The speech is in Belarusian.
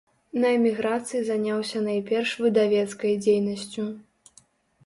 На эміграцыі заняўся найперш выдавецкай дзейнасцю.